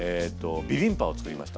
ビビンバを作りました。